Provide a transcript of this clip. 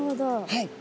はい。